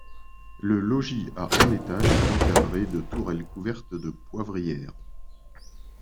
Le logis à un étage est encadré de tourelles couvertes de poivrières.